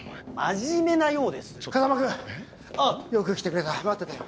風真君！よく来てくれた待ってたよ。